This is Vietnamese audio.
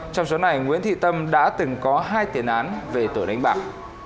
trong số này nguyễn thị tâm đã từng có hai tiền án về tội đánh bạc